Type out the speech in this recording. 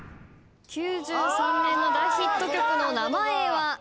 ９３年の大ヒット曲の名前は？